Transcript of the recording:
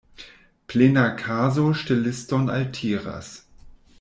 Plena kaso ŝteliston altiras.